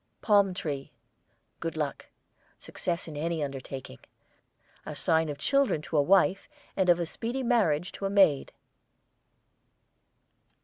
PALM TREE, good luck; success in any undertaking. A sign of children to a wife and of a speedy marriage to a maid.